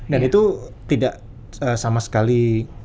dan itu tidak sama sekali